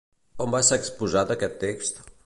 On va ser exposat aquest text?